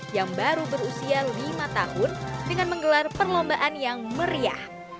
yang baru berusia lima tahun dengan menggelar perlombaan yang meriah